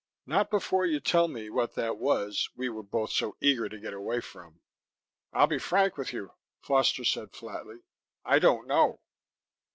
"Not before you tell me what that was we were both so eager to get away from." "I'll be frank with you," Foster said flatly. "I don't know."